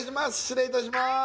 失礼いたします